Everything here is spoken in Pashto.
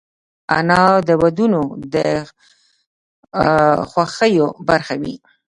انا د ودونو د خوښیو برخه وي